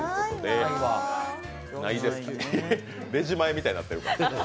レジ前みたいになってる。